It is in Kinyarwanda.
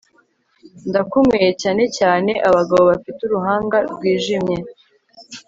ndakunyweye cyane cyane, abagabo bafite uruhanga rwijimye